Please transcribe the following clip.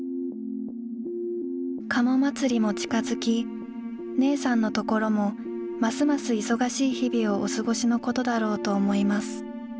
「加茂祭りも近づき姉さんの所もますます忙しい日々をお過しのことだろうと思います。